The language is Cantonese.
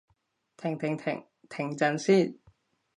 停停停！停陣先